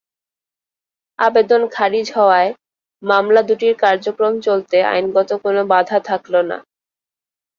আবেদন খারিজ হওয়ায় মামলা দুটির কার্যক্রম চলতে আইনগত কোনো বাধা থাকল না।